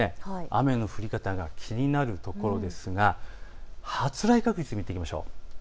雨の降り方が気になるところですが発雷確率、見ていきましょう。